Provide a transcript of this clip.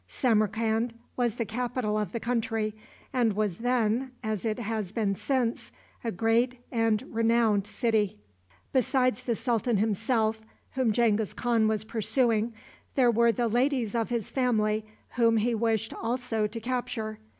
Samarcand was the capital of the country, and was then, as it has been since, a great and renowned city. Besides the sultan himself, whom Genghis Khan was pursuing, there were the ladies of his family whom he wished also to capture.